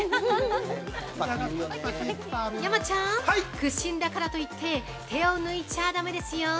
山ちゃん、屈伸だからといって手を抜いちゃあだめですよ。